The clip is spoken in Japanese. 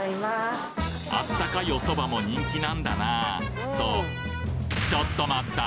あったかいおそばも人気なんだなとちょっと待った！